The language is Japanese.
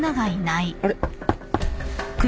あれ？